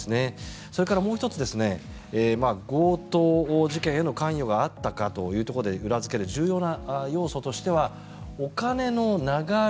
それからもう１つ、強盗事件への関与があったのかというところで裏付けで重要な要素としてはお金の流れ。